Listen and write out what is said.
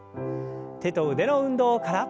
手と腕の運動から。